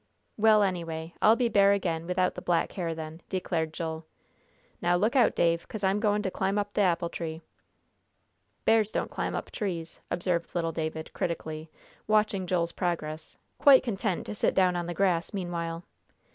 "Well, anyway, I'll be bear again without the black hair, then," declared Joel. "Now, look out, Dave, 'cause I'm goin' to climb up th' apple tree." "Bears don't climb up trees," observed little David, critically, watching Joel's progress, quite content to sit down on the grass meanwhile.